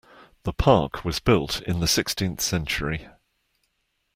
The park was built in the sixteenth century.